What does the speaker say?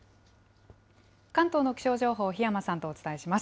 関東の気象情報、檜山さんとお伝えします。